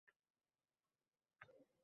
ulkan bir ibrat namunasi